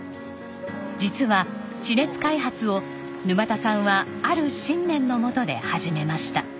実は地熱開発を沼田さんはある信念のもとで始めました。